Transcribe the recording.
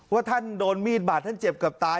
ว่าท่านโดนมีดบาดท่านเจ็บเกือบตาย